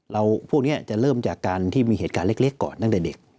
พวกนี้จะเริ่มจากการที่มีเหตุการณ์เล็กก่อนตั้งแต่เด็ก